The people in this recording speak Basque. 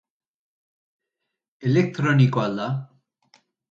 Eletronikoa al da?